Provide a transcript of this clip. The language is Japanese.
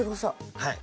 はい。